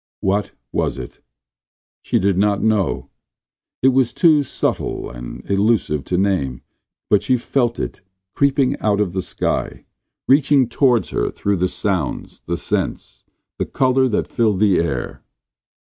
What was it? She did not know; it was too subtle and elusive to name. But she felt it, creeping out of the sky, reaching toward her through the sounds, the scents, the color that filled the air.